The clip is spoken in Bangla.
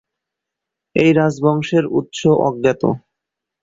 এই রাজবংশের উৎস অজ্ঞাত।